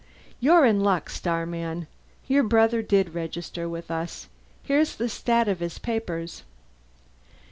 "You're in luck, starman. Your brother did register with us. Here's the 'stat of his papers."